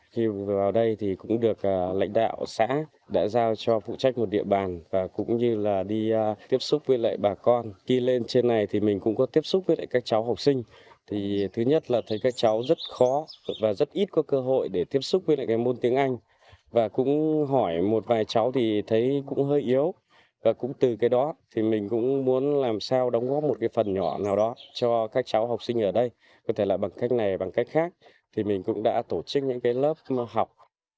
khi lên trên này thì mình cũng có tiếp xúc với các cháu học sinh thứ nhất là thấy các cháu rất khó và rất ít có cơ hội để tiếp xúc với môn tiếng anh và cũng hỏi một vài cháu thì thấy cũng hơi yếu và cũng từ cái đó thì mình cũng muốn làm sao đóng góp một phần nhỏ nào đó cho các cháu học sinh ở đây có thể là bằng cách này hoặc bằng cách khác thì mình cũng đã tổ chức những lớp học